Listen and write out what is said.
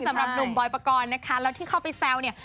สำหรับหนุ่มบอยปกรณ์นะคะแล้วที่เข้าไปแซวเนี่ย